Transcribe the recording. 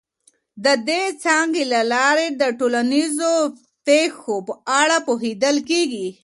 د دې څانګې له لاري د ټولنیزو پیښو په اړه پوهیدل کیږي.